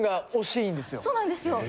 そうなんですよ。